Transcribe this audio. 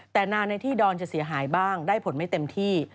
แต่นานในที่ดอนจะเสียหายบ้างได้ผลไม่เต็มที่